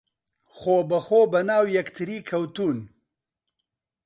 خۆبەخۆ بەناو یەکتری کەوتوون